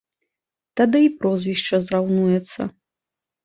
Тады й прозвішча зраўнуецца.